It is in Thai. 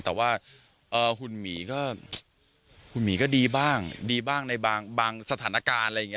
แต่ว่าหุ่นหมีก็คุณหมีก็ดีบ้างดีบ้างในบางสถานการณ์อะไรอย่างนี้